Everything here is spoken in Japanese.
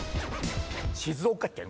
静岡県。